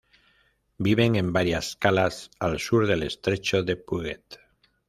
Viven en varias calas al sur del estrecho de Puget.